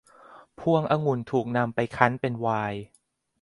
พวกองุ่นถูกนำไปคั้นเป็นไวน์